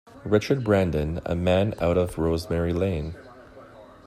Richard Brandon, a man out of Rosemary Lane.